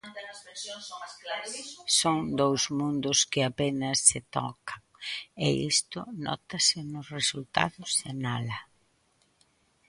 Son dous mundos que apenas se tocan e isto nótase nos resultados, sinala.